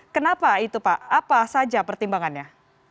kenapa itu pak apa saja pertimbangannya